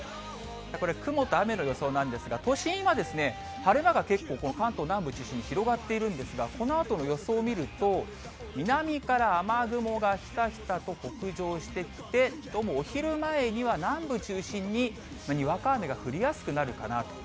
これ、雲と雨の予想なんですが、都心は今、晴れ間が結構、この関東南部中心に広がっているんですが、このあとの予想を見ると、南から雨雲がひたひたと北上してきて、どうもお昼前には南部中心に、にわか雨が降りやすくなるかなと。